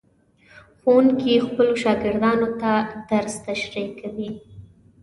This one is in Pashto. ښوونکي خپلو شاګردانو ته درس تشریح کوي.